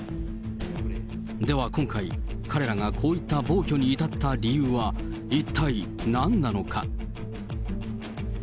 では今回、彼らがこういった暴挙に至った理由は一体なんなのか。